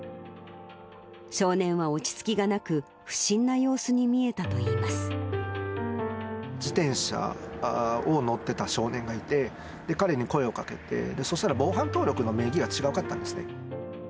少年は落ち着きがなく、自転車を乗ってた少年がいて、彼に声をかけて、そしたら、防犯登録の名義がちがかったんですね。